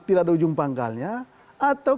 tidak ada ujung pangkalnya atau